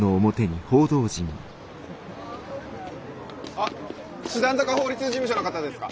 あっ師団坂法律事務所の方ですか？